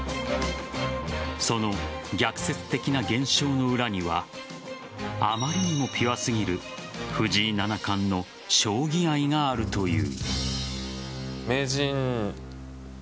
その逆説的な現象の裏にはあまりにもピュアすぎる藤井七冠の将棋愛があるという。